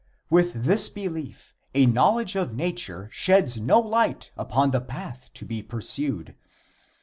With this belief a knowledge of nature sheds no light upon the path to be pursued.